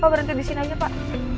pak berhenti disini aja pak